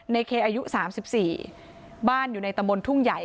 ในเคอายุสามสิบสี่บ้านอยู่ในตะมนต์ทุ่งใหญ่